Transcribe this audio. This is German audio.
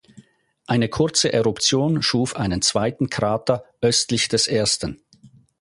Eine kurze Eruption schuf einen zweiten Krater östlich des ersten.